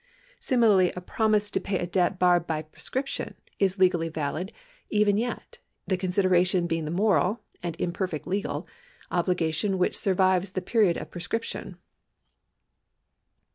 Similarly a promise to pay a debt barred by prescription is legally valid even yet, the consideration being the moral (and imperfect legal) obligation which survives the period of prescrip tion.